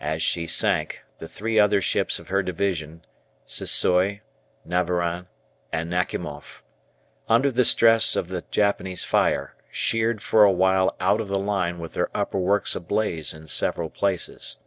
As she sank, the three other ships of her division ("Sissoi," "Navarin," and "Nakhimoff"), under the stress of the Japanese fire, sheered for a while out of the line with their upper works ablaze in several places.